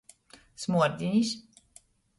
Smuordinis.